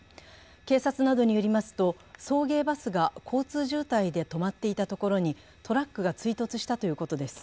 警察などによりますと、送迎バスが交通渋滞で止まっていたところに、トラックが追突したということです。